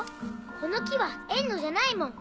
この木は園のじゃないもん。